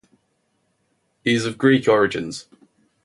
He is of Greek origins.